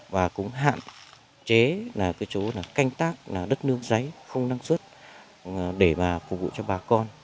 và cũng hạn chế là cái chỗ là canh tác là đất nước giấy không năng suất để mà phục vụ cho bà con